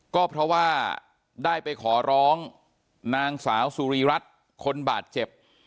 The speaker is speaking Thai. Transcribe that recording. ก็เพราะว่าได้ไปขอร้องนางสาวสุรีรัฐคนบาดเจ็บ